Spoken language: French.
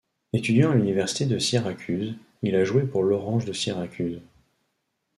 Étudiant à l'université de Syracuse, il a joué pour l'Orange de Syracuse.